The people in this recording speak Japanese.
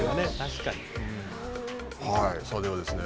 さあではですね